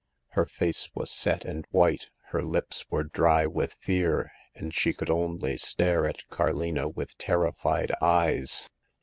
Her face was set and white, her lips were dry with fear, and she could only stare at Carlino with terrified eyes.